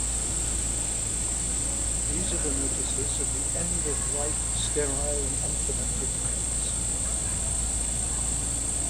These are the notices of the end of white, sterile and unproductive days.